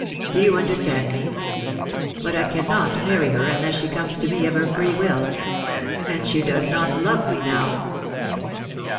Do you understand me? But I can not many her unless she comes to me of her free will ; and she does not love me now.'